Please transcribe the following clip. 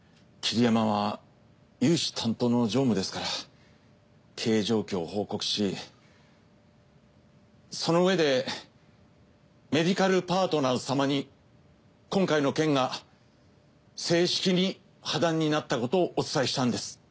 桐山は融資担当の常務ですから経営状況を報告しそのうえでメディカルパートナーズ様に今回の件が正式に破談になったことをお伝えしたんです。